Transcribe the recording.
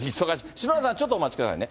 篠原さん、ちょっとお待ちくださいね。